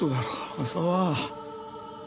浅輪。